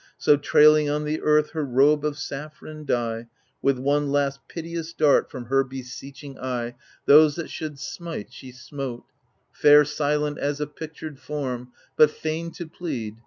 So, trailing on the earth her robe of saffron dye, With one last piteous dart from her beseeching eye AGAMEMNON 13 Those that should smite she smote — Fair, silent, as a pictured form, but fain To plead.